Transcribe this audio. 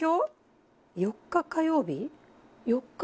４日火曜日？